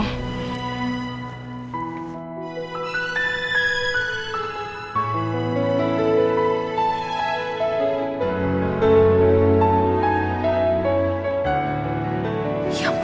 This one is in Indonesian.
terima kasih ya ibu